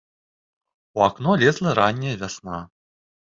У акно лезла ранняя вясна.